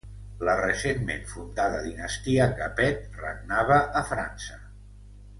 La recentment fundada dinastia Capet regnava a França.